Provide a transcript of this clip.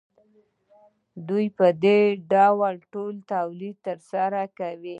دوی په دې ډول خپل تولید ترسره کاوه